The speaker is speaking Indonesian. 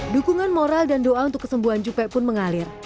dukungan moral dan doa untuk kesembuhan jupe pun mengalir